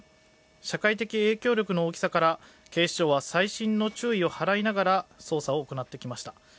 社会的影響力の大きさから警視庁は細心の注意を払いながら捜査を行ってきました。